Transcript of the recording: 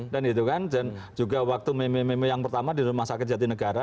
dan juga waktu meme meme yang pertama di rumah sakit jati negara